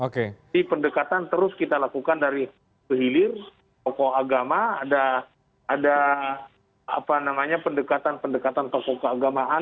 jadi pendekatan terus kita lakukan dari ke hilir tokoh agama ada pendekatan pendekatan tokoh keagamaan